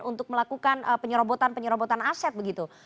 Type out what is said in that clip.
untuk melakukan penyerobotan penyerobotan aset begitu